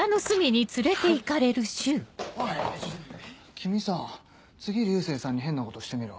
君さ次流星さんに変なことしてみろ。